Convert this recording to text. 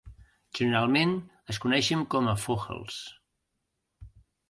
Generalment es coneixen com a "Vogels".